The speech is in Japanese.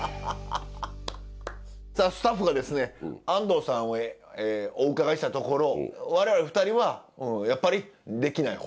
スタッフがですね安藤さんへお伺いしたところ我々２人はやっぱりできない方。